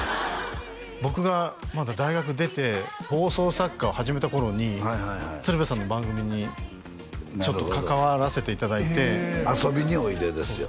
僕がまだ大学出て放送作家を始めた頃に鶴瓶さんの番組にちょっと関わらせていただいて「遊びにおいで」ですよ